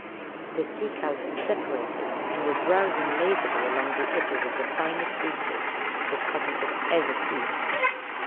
The sea cows had separated and were browsing lazily along the edges of the finest beaches that Kotick had ever seen.